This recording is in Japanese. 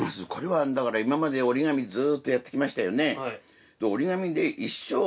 これはだから今までおりがみずっとやってきましたよね。